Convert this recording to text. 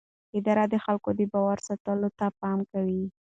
اداره د خلکو د باور ساتلو ته پام کوي.